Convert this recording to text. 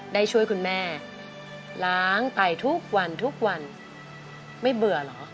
ได้ช่วยคุณแม่ล้างไปทุกวันทุกวันไม่เบื่อเหรอ